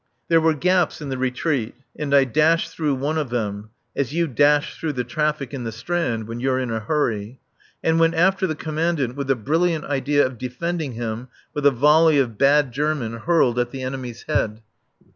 There were gaps in the retreat, and I dashed through one of them (as you dash through the traffic in the Strand when you're in a hurry) and went after the Commandant with the brilliant idea of defending him with a volley of bad German hurled at the enemy's head.